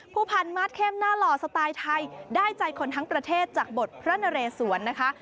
พันธุ์มาสเข้มหน้าหล่อสไตล์ไทยได้ใจคนทั้งประเทศจากบทพระนเรศวรนะคะ